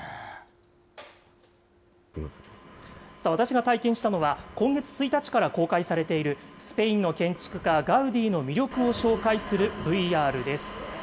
私が体験したのは、今月１日から公開されているスペインの建築家、ガウディの魅力を紹介するＶＲです。